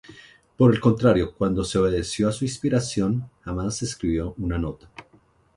Por el contrario, cuando sólo obedeció a su inspiración, jamás escribió una nota.